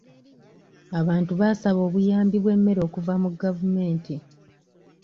Abantu baasaba obuyambi bw'emmere okuva mu gavumenti.